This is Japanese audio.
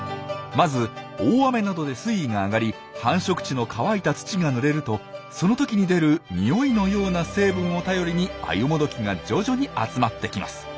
まず大雨などで水位が上がり繁殖地の乾いた土がぬれるとそのときに出るにおいのような成分を頼りにアユモドキが徐々に集まってきます。